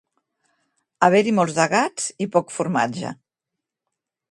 Haver-hi molts de gats i poc formatge.